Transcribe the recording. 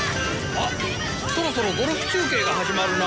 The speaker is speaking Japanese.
あっそろそろゴルフ中継が始まるな。